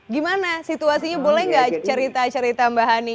gimana situasinya boleh nggak cerita cerita mbak hani